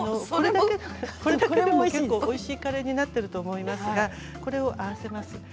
これだけでもおいしいカレーになってると思いますがこれを合わせます。